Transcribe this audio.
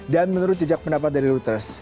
dan menurut jejak pendapat dari reuters